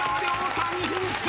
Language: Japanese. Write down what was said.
３位フィニッシュ！